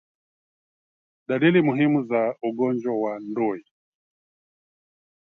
Dalili muhimu za ugonjwa wa ndui